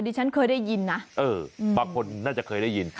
ฉันเคยได้ยินนะบางคนน่าจะเคยได้ยิน